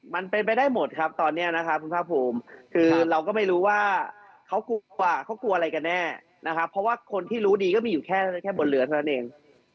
มันเป็นไปได้หมดครับตอนนี้นะครับคุณภาคภูมิคือเราก็ไม่รู้ว่าเขากลัวอะไรกันแน่นะครับเพราะว่าคนที่รู้ดีก็มีอยู่แค่บนเรือเท่านั้นเอง